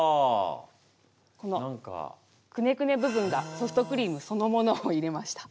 このくねくね部分がソフトクリームそのものを入れました。